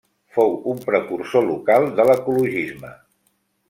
Fou un precursor local de l'ecologisme.